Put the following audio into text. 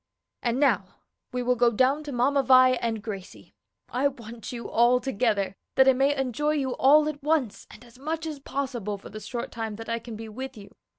And now we will go down to Mamma Vi and Gracie. I want you all together, that I may enjoy you all at once and as much as possible for the short time that I can be with you.